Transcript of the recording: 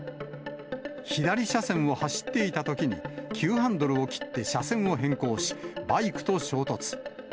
左車線を走っていたときに急ハンドルを切って車線を変更し、バイクと衝突。